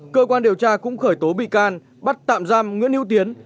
cơ quan điều tra cũng khởi tố bị can bắt tạm giam nguyễn hữu tiến